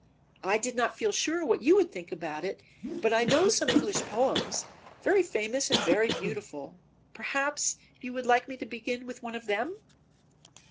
I did not feel sure what you would think about it, but I know some English poems, very famous and very beautiful, perhaps you would like me to begin with one of them?"